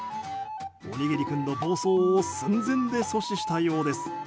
おにぎり君の暴走を寸前で阻止したようです。